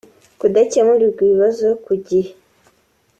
kudakemurirwa ibibazo ku gihe